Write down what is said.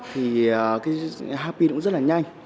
và cái hà pin cũng rất là nhanh